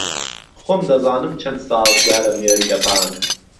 خۆم دهزانم چهن سازگاره مێرگهپان